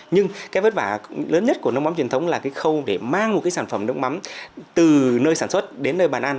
nhưng cái vất vả lớn nhất của nước mắm truyền thống là cái khâu để mang một cái sản phẩm nước mắm từ nơi sản xuất đến nơi bàn ăn